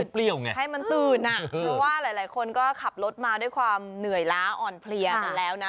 เพราะว่าหลายคนก็ขับรถมาด้วยความเหนื่อยล้าอ่อนเพลียไปแล้วนะ